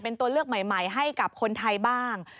เป็นตัวเลือกใหม่ให้กับคนไทยบ้าง